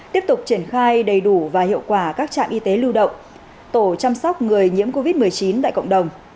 tiếp tục triển khai đầy đủ và hiệu quả các trạm y tế lưu động tổ chăm sóc người nhiễm covid một mươi chín tại cộng đồng